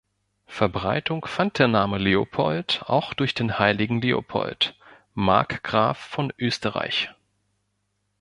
Verbreitung fand der Name Leopold auch durch den Heiligen Leopold, Markgraf von Österreich.